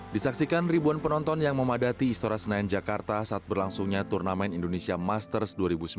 disaksikan ribuan penonton yang memadati istora senayan jakarta saat berlangsungnya turnamen indonesia masters dua ribu sembilan belas